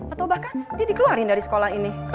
atau bahkan dia dikeluarin dari sekolah ini